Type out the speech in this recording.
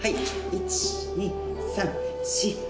１２３４５。